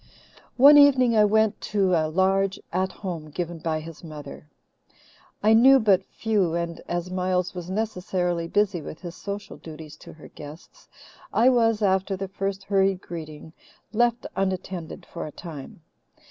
"One evening I went to a large At Home given by his mother. I knew but few and, as Miles was necessarily busy with his social duties to her guests, I was, after the first hurried greeting, left unattended for a time.